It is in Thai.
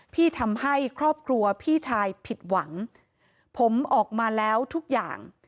ที่ทำให้ครอบครัวพี่ชายผิดหวังผมออกมาแล้วทุกอย่าง